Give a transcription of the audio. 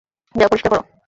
যাও পরিষ্কার করো!